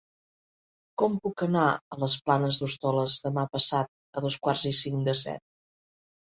Com puc anar a les Planes d'Hostoles demà passat a dos quarts i cinc de set?